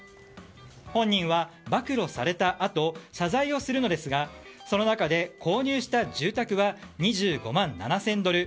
本人は、暴露されたあと謝罪をするのですがその中で、購入した住宅は２５万７０００ドル。